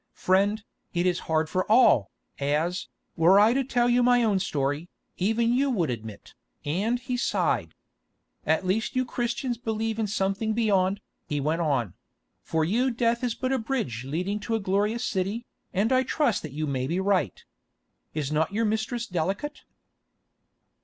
"Friend, it is hard for all, as, were I to tell you my own story, even you would admit," and he sighed. "At least you Christians believe in something beyond," he went on; "for you death is but a bridge leading to a glorious city, and I trust that you may be right. Is not your mistress delicate?"